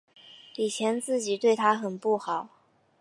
以前自己对她很不好